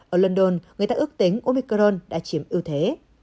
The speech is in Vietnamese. ở london người ta ước tính omicron đã chiếm ưu thế